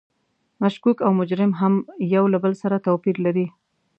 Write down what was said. مشکوک او مجرم هم یو له بل سره توپیر لري.